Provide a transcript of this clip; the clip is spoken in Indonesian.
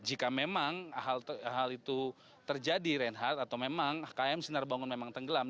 jika memang hal itu terjadi reinhardt atau memang km sinar bangun memang tenggelam